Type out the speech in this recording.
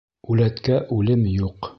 Үләткә үлем юҡ